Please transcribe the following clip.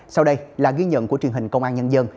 sau đây là ghi nhận của truyền hình công an nhân dân